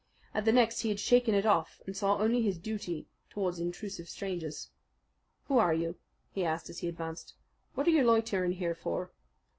At the next he had shaken it off and saw only his duty towards intrusive strangers. "Who are you?" he asked as he advanced. "What are you loitering there for?"